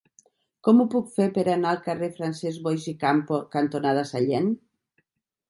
Com ho puc fer per anar al carrer Francesc Boix i Campo cantonada Sallent?